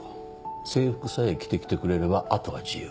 制服さえ着て来てくれればあとは自由。